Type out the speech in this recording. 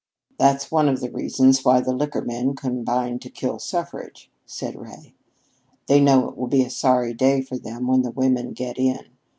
"That's one of the reasons why the liquor men combine to kill suffrage," said Ray. "They know it will be a sorry day for them when the women get in.